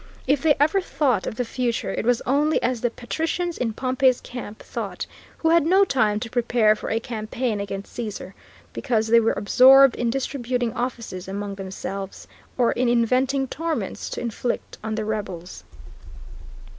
If they ever thought of the future it was only as the patricians in Pompey's camp thought; who had no time to prepare for a campaign against Caesar, because they were absorbed in distributing offices among themselves, or in inventing torments to inflict on the rebels.